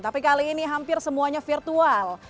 tapi kali ini hampir semuanya virtual